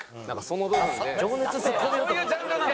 そういうジャンルなの？